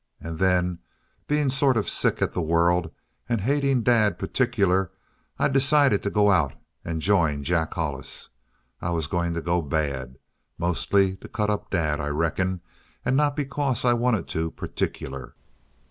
"And then, being sort of sick at the world, and hating Dad particular, I decided to go out and join Jack Hollis. I was going to go bad. Mostly to cut up Dad, I reckon, and not because I wanted to particular.